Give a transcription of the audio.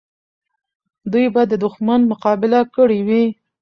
دوی به د دښمن مقابله کړې وي.